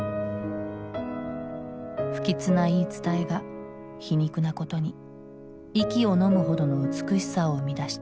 不吉な言い伝えが皮肉なことに息をのむほどの美しさを生み出した。